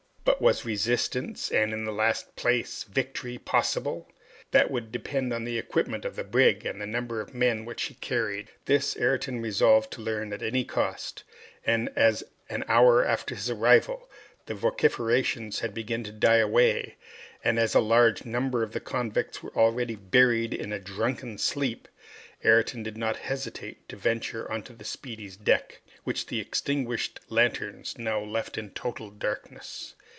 But was resistance and, in the last place, victory possible? That would depend on the equipment of the brig, and the number of men which she carried. This Ayrton resolved to learn at any cost, and as an hour after his arrival the vociferations had begun to die away, and as a large number of the convicts were already buried in a drunken sleep, Ayrton did not hesitate to venture onto the "Speedy's" deck, which the extinguished lanterns now left in total darkness.